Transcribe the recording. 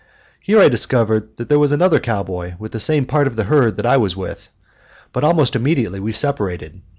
Here I discovered that there was another cowboy with the same part of the herd that I was with; but almost immediately we separated.